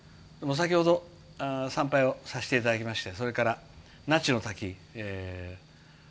先ほど参拝をさせていただきましてそれから那智の滝。